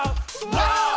ワオ！